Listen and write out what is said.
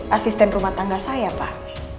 asisten rumah tangga saya pak